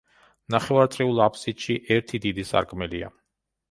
ნახევარწრიულ აბსიდში ერთი დიდი სარკმელია.